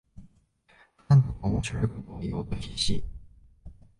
なんとか面白いことを言おうと必死